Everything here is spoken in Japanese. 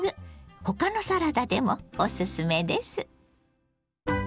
他のサラダでもおすすめです。